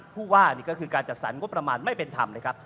ผู้ว่านี่ก็คือการจัดสรรงบประมาณไม่เป็นธรรมนะครับ